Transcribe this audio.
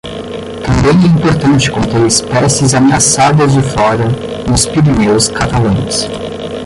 Também é importante conter espécies ameaçadas de flora nos Pireneus catalães.